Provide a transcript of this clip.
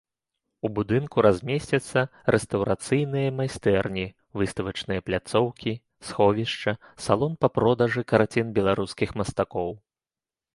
У будынку размесцяцца рэстаўрацыйныя майстэрні, выставачныя пляцоўкі, сховішча, салон па продажы карцін беларускіх мастакоў.